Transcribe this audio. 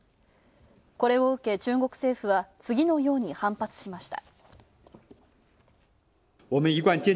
これを受け、中国政府は次のように反発しました。